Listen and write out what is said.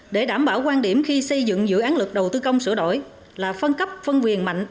để đảm bảo quan điểm khi xây dựng dự án lực đầu tư công sửa đổi là phân cấp phân quyền mạnh